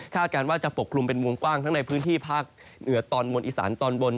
การว่าจะปกคลุมเป็นวงกว้างทั้งในพื้นที่ภาคเหนือตอนบนอีสานตอนบน